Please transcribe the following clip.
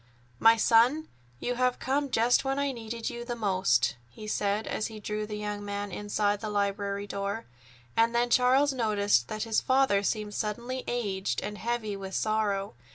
"My son, you have come just when I needed you most," he said as he drew the young man inside the library door. And then Charles noticed that his father seemed suddenly aged and heavy with sorrow.